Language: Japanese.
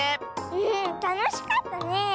うんたのしかったね！